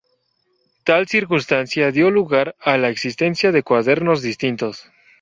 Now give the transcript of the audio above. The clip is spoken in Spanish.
Tal circunstancia dio lugar a la existencia de cuadernos distintos.